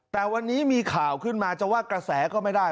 แต่วันนี้มีข่าวขึ้นมาจะว่ากระแสก็ไม่ได้